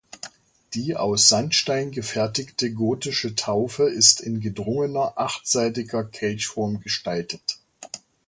Die aus Sandstein gefertigte gotische Taufe ist in gedrungener achtseitiger Kelchform gestaltet.